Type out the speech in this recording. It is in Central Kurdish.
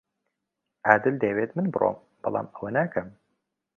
عادل دەیەوێت من بڕۆم، بەڵام ئەوە ناکەم.